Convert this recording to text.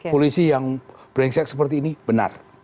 polisi yang brengsek seperti ini benar